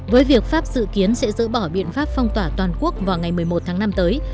với việc pháp dự kiến sẽ dỡ bỏ biện pháp phong tỏa toàn quốc vào ngày một mươi một tháng năm tới